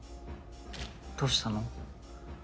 どうしたの？